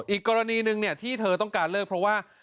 อีกกรณีหนึ่งที่เธอต้องการเลิกเพราะว่า